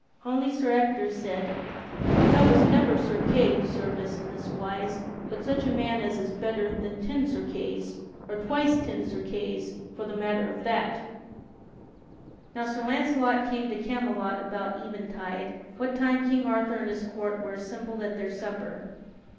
Only Sir Ector said: "That was never Sir Kay who served us in this wise, but such a man as is better than ten Sir Kays, or twice ten Sir Kays, for the matter of that." [Sidenote: How Sir Launcelot returned to Camelot] Now Sir Launcelot came to Camelot about eventide, what time King Arthur and his court were assembled at their supper.